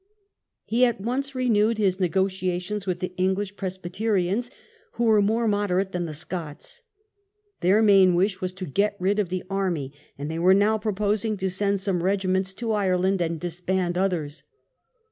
He at once renewed his negotiations with the English Presbyterians, who were more moderate than the Scots. Their main wish was to get rid of the army, and they were now proposing to send some regiments to Ireland, 56 ARMY QUARRELS WITH PARLIAMENT. and disband others.